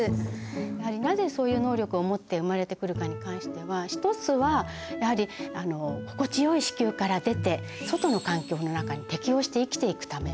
やはりなぜそういう能力を持って生まれてくるかに関しては一つはやはりあの心地よい子宮から出て外の環境の中に適応して生きていくためなんですね。